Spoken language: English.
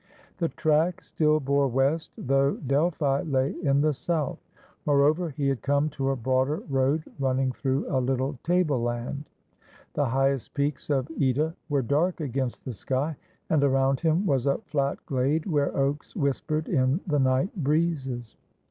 The track still bore west, though Delphi lay in the south. Moreover, he had come to a broader road run ning through a little tableland. The highest peaks of (Eta were dark against the sky, and around him was a flat glade where oaks whispered in the night breezes.